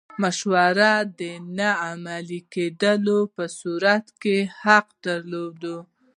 منشور د نه عملي کېدو په صورت کې حق درلود.